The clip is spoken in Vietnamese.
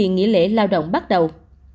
nghỉ lễ lao động bắt đầu